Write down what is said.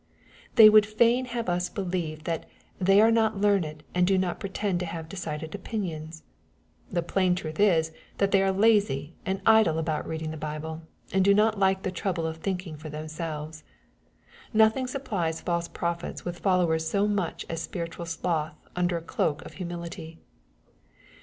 They would &in have us be lieve that " they are not learned, and do not pretend to have decided opinions/' The plain truth is that they are lazy and idle about reading the Bible, and do not lite the trouble of thinking for themselves. Nothing suppUes false prophets with followers so much as spiritual sloth under a cloak of humility.